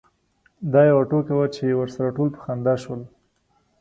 دا یوه ټوکه وه چې ورسره ټول په خندا شول.